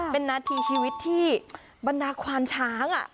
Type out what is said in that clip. เป็นนาทีชีวิตที่บรรดาควานช้าง